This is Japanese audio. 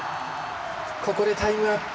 ここでタイムアップ。